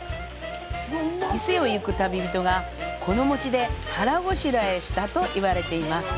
伊勢を行く旅人がこの餅で腹ごしらえしたと言われています。